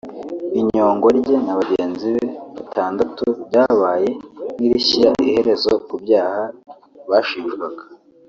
Inyongwa rye na bagenzi be batandatu ryabaye nk’irishyira iherezo ku byaha bashinjwaga